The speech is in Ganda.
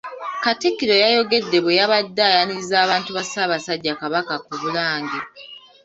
Katikkiro yayogedde bwe yabadde ayaniriza abantu ba Ssaabasajja Kabaka ku Bulange.